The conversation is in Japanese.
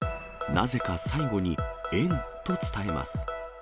なぜか最後に円と伝えます。